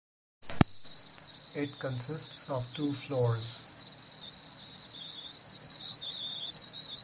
It consists of two floors.